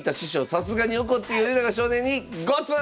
さすがに怒って米長少年にゴツン！